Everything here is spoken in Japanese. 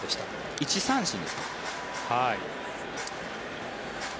１三振ですね。